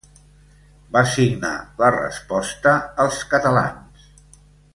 Va signar la Resposta als Catalans.